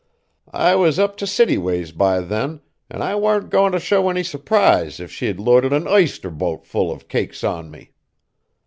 I was up t' city ways by then, an' I warn't goin' t' show any surprise if she'd loaded an ister boat full of cakes on me.